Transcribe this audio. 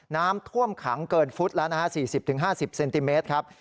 น้ำท่วมขังเกินฟุตแล้วนะฮะ๔๐๕๐เซนติเมตรครับ